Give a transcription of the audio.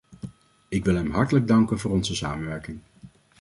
Ik wil hem hartelijk danken voor onze samenwerking.